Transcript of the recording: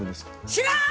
知らん！